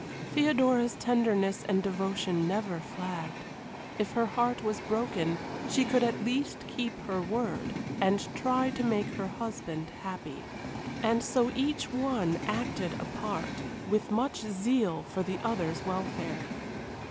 Theodora's tenderness and devotion never flagged. If her heart was broken she could at least keep her word, and try to make her husband happy. And so each one acted a part, with much zeal for the other's welfare.